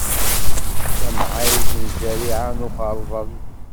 D tamɛayt n zerriɛa n uxeṛdel.